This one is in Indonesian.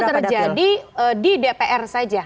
yang terjadi di dpr saja